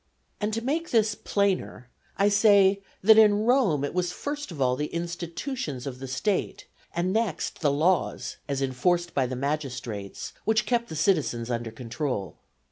And to make this plainer, I say that in Rome it was first of all the institutions of the State, and next the laws as enforced by the magistrates, which kept the citizens under control.